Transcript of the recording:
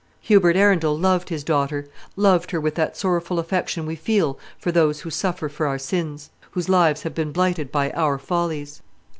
Hubert Arundel loved his daughter; loved her with that sorrowful affection we feel for those who suffer for our sins, whose lives have been blighted by our follies.